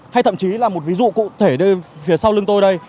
hay thậm chí là một ví dụ cụ thể phía sau lưng tôi đây